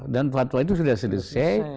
dan fatwa itu sudah selesai